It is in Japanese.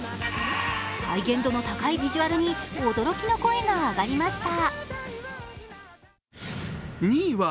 再現度の高いビジュアルに驚きの声が上がりました。